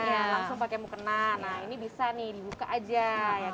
langsung pakai mukena nah ini bisa nih dibuka aja ya kan